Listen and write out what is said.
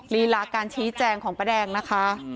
ลีลาการชี้แจงของป้าแดงนะคะ